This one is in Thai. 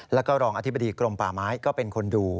แล้วก็รองอธิบดีกรมป่าไม้ก็เป็นคนดู